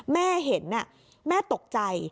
แม่เห็นแม่ตกใจ